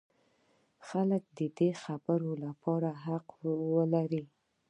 خلک دې د خبرو لپاره حق ولري.